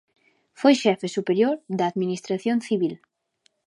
Foi xefe superior de Administración civil.